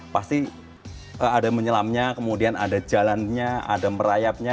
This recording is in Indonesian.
pasti ada menyelamnya kemudian ada jalannya ada merayapnya